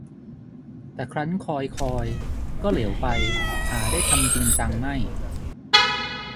แต่ครั้นคอยคอย ก็เหลวไปหาได้ทำจริงจังไม่